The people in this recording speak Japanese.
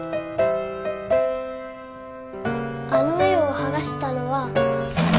あの絵をはがしたのは。